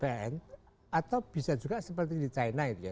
bukan hanya bumn atau bisa juga seperti di china gitu ya